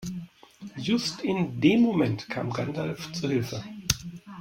Just in dem Moment kam Gandalf zu Hilfe.